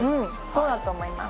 そうだと思います。